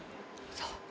そう。